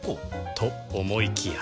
と思いきや